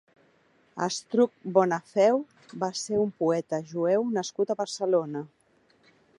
Astruc Bonafeu va ser un poeta jueu nascut a Barcelona.